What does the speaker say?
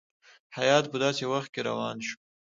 هیات په داسي وخت کې روان شو.